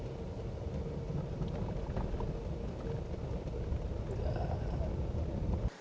pembelian kereta api sebidang